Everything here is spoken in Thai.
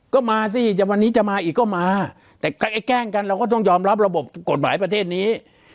ก็มาสิวันนี้จะมาอีกก็มาแต่ไอ้แกล้งกันเราก็ต้องยอมรับระบบกฎหมายประเทศนี้